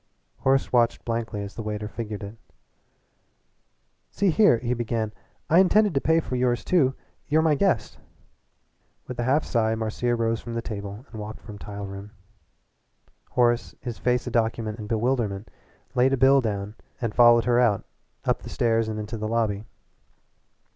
Horace watched blankly as the waiter figured it. "See here," he began, "I intended to pay for yours too. You're my guest." With a half sigh Marcia rose from the table and walked from the room. Horace, his face a document in bewilderment, laid a bill down and followed her out, up the stairs and into the lobby.